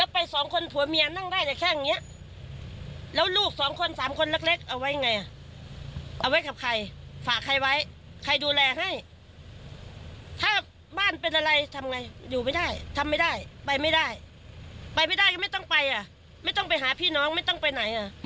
ไปไม่ได้ก็ไม่ต้องไปไม่ต้องไปหาพี่น้องไม่ต้องไปไหน